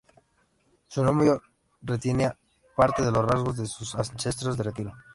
Su movimiento retiene parte de los rasgos de sus ancestros de tiro.